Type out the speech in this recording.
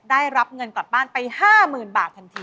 ได้รับเงินกลับบ้านไป๕๐๐๐บาททันที